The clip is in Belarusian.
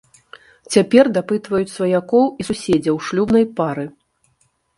Цяпер дапытваюць сваякоў і суседзяў шлюбнай пары.